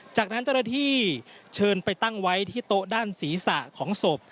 จากนั้นเจ้าหน้าที่เชิญไปตั้งไว้ที่โต๊ะด้านศีรษะของศพ